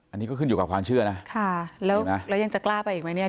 อันนี้ก็ขึ้นอยู่กับความเชื่อนะค่ะแล้วยังจะกล้าไปอีกไหมเนี่ย